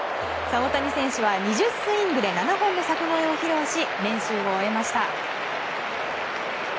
大谷選手は２０スイングで７本の柵越えを披露し練習を終えました。